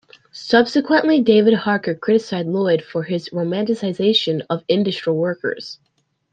Subsequently David Harker criticised Lloyd for his romanticisation of industrial workers.